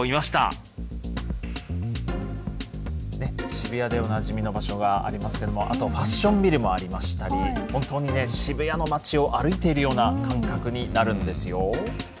渋谷でおなじみの場所がありますけれども、あとファッションビルもありましたり、本当に渋谷の街を歩いているような感覚になるんですよ。